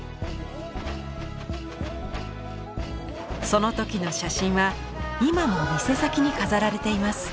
その時の写真は今も店先に飾られています。